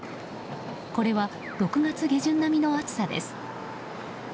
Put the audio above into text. これは、６月下旬並みの暑さです。